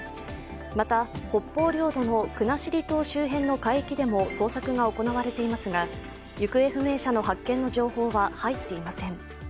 また、北方領土の国後島周辺の海域でも捜索が行われていますが行方不明者の発見の情報は入っていません。